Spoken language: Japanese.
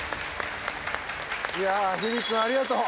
いやあ響大君ありがとう。